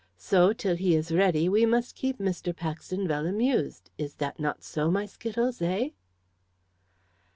So, till he is ready, we must keep Mr. Paxton well amused, is that not so, my Skittles, eh?"